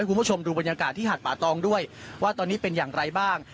คุณผู้ชมดูบรรยากาศที่หาดป่าตองด้วยว่าตอนนี้เป็นอย่างไรบ้าง